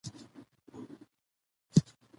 ډیجیټل سیستم د صرافۍ په چارو کې شفافیت راولي.